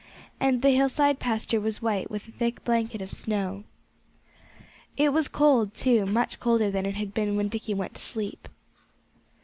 And the hillside pasture was white with a thick blanket of snow. It was cold, too much colder than it had been when Dickie went to sleep.